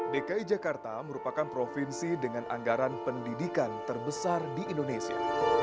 dki jakarta merupakan provinsi dengan anggaran pendidikan terbesar di indonesia